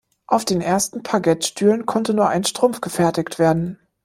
Auf den ersten Paget-Stühlen konnte nur ein Strumpf gefertigt werden.